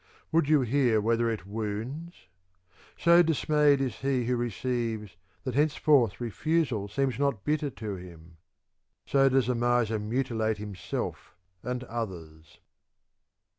Would you hear whether it wounds ? So dismayed is he who receives that henceforth refusal seems not bitter to him : so does the miser mutilate himself and others.